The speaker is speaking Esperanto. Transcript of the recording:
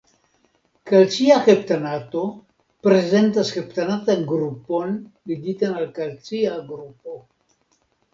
Kalcia heptanato prezentas heptanatan grupon ligitan al kalcia grupo.